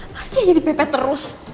pasti aja dipepet terus